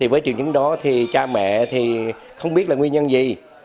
với triệu chứng đó cha mẹ không biết là nguyên nhân gì